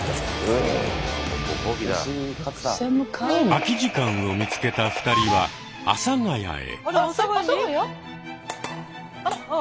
空き時間を見つけた２人は阿佐ヶ谷へ。